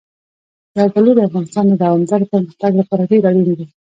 زردالو د افغانستان د دوامداره پرمختګ لپاره ډېر اړین دي.